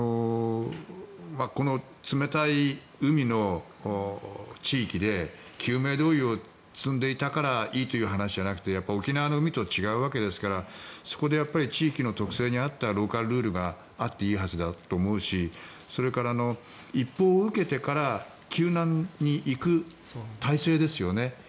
この冷たい海の地域で救命胴衣を積んでいたからいいという話ではなくて沖縄の海と違うわけですからそこで地域の特性に合ったローカルルールがあっていいはずだと思うしそれから一報を受けてから救難に行く体制ですよね。